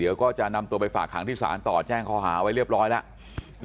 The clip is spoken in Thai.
เดี๋ยวก็จะนำตัวไปฝากหางที่ศาลต่อแจ้งข้อหาไว้เรียบร้อยแล้ว